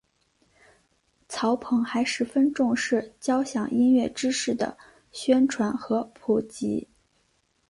曹鹏还十分重视交响音乐知识的宣传与普及。